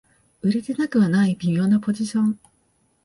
売れてなくはない微妙なポジション